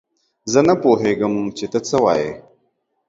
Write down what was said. زه نه پوهېږم چې تۀ څۀ وايي.